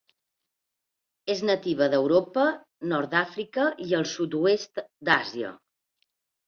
És nativa d'Europa, nord d'Àfrica i el sud-oest d'Àsia.